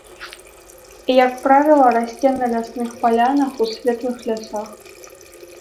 Як правіла расце на лясных палянах, у светлых лясах.